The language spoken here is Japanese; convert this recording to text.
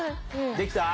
できた？